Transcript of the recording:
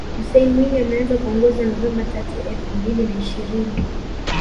Hussein Mwinyi ameanza kuongoza Novemba tatu elfu mbili na ishirini